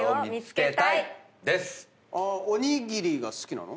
おにぎりが好きなの？